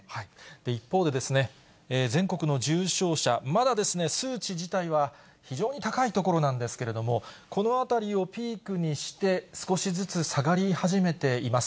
一方で、全国の重症者、まだ数値自体は非常に高いところなんですけれども、このあたりをピークにして、少しずつ下がり始めています。